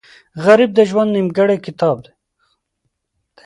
غریب د ژوند نیمګړی کتاب دی